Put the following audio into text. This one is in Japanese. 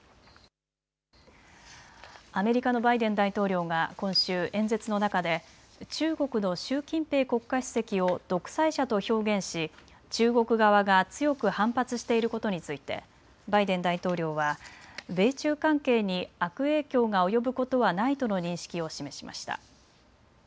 アメリカのバイデン大統領が今週、演説の中で中国の習近平国家主席を独裁者と表現し中国側が強く反発していることについてバイデン大統領は米中関係に悪影響が及ぶことはないとの認識を示しました。